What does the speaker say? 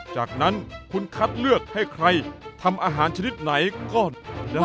จากนั้นคุณคัดเลือกให้ใครทำอาหารชนิดไหนก่อน